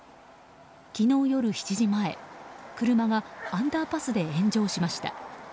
昨日夜７時前車がアンダーパスで炎上しました。